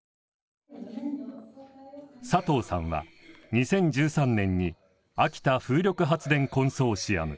佐藤さんは２０１３年に秋田風力発電コンソーシアム